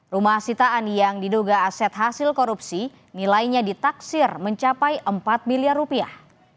rumah sitaan yang diduga aset hasil korupsi nilainya ditaksir mencapai empat miliar rupiah